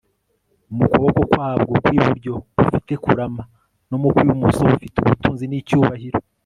mu kuboko kwabwo kw'iburyo bufite kurama; no mu kw'ibumoso bufite ubutunzi n'icyubahiro